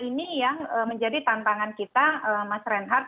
ini yang menjadi tantangan kita mas reinhardt